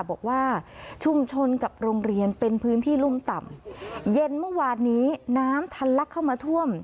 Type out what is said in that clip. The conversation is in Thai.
บอกว่าชุมชนกับโรงเรียนเป็นพื้นที่รุ่มต่ำเย็นเมื่อวานนี้น้ำทันลักเข้ามาท่วม